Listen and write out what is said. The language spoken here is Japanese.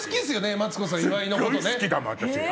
マツコさん、岩井のことね。